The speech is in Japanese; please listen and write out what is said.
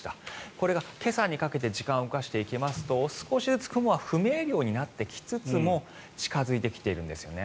これが今朝にかけて時間を動かしていきますと少しずつ雲は不明瞭になってきつつも近付いてきているんですよね。